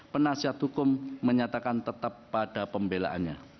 penasihat hukum menyatakan tetap pada tuntutan pidananya